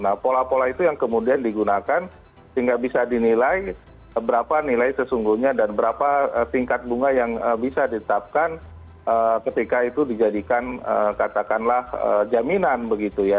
nah pola pola itu yang kemudian digunakan sehingga bisa dinilai berapa nilai sesungguhnya dan berapa tingkat bunga yang bisa ditetapkan ketika itu dijadikan katakanlah jaminan begitu ya